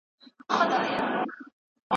د چین د اقتصاد بنسټ ایښودل شوی و.